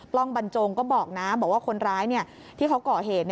ล้องบรรจงก็บอกนะบอกว่าคนร้ายที่เขาก่อเหตุ